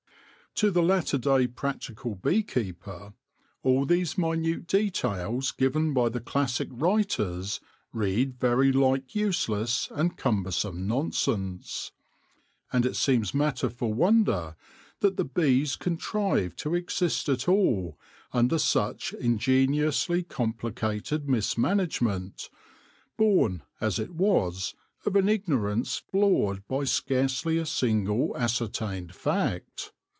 To the latter day practical bee keeper, all these minute details given by the classic writers read very like useless and cumbersome nonsense ; and it seems matter for wonder that the bees contrived to exist at all under such ingeniously complicated mismanage ment, born, as it was, of an ignorance flawed by scarcely a single ascertained fact.